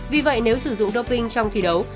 vì vậy nếu sử dụng đô binh trong thi đấu